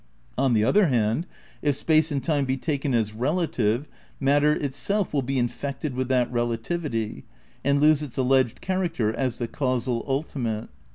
On the other hand, if space and time be taken as relative, matter it self will be infected with that relativity and lose its alleged character as the causal xdtimate.